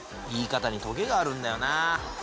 言い方にトゲがあるんだよな。